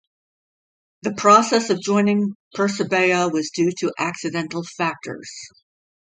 The process of joining Persebaya was due to accidental factors.